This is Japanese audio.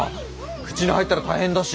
口に入ったら大変だし。